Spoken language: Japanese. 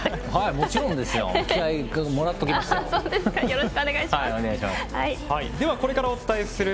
もちろんですよ。